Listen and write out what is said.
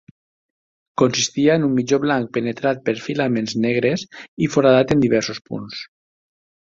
Consistia en un mitjó blanc penetrat per filaments negres i foradat en diversos punts.